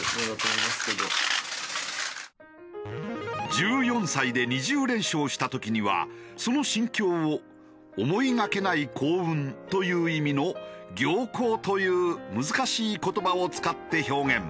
１４歳で２０連勝した時にはその心境を思いがけない幸運という意味の「僥倖」という難しい言葉を使って表現。